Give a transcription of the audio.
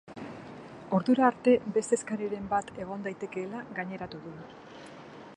Ordura arte beste eskariren bat egon litekeela gaineratu du.